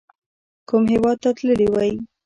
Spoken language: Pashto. کوم هیواد ته تللي وئ؟